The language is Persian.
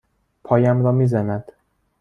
پایم را می زند.